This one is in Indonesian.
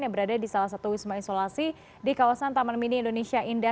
yang berada di salah satu wisma isolasi di kawasan taman mini indonesia indah